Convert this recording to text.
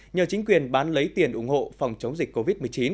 nhờ chính quyền bán lấy tiền ủng hộ phòng chống dịch covid một mươi chín